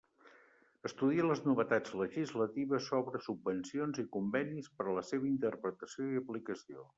Estudia les novetats legislatives sobre subvencions i convenis per a la seva interpretació i aplicació.